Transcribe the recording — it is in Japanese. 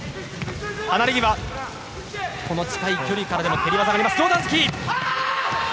離れ際、この近い距離からでも蹴り技が出ます、上段突き。